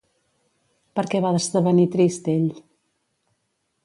Per què va esdevenir trist ell?